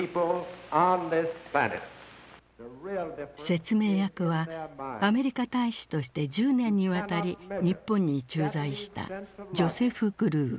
説明役はアメリカ大使として１０年にわたり日本に駐在したジョセフ・グルー。